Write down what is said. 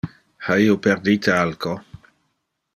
Ha io perdite alco?